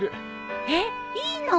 えっいいの！？